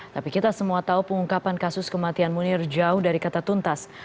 tapi kita semua tahu pengungkapan kasus kematian munir jauh dari kata tuntas